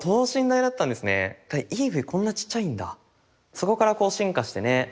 そこからこう進化してね。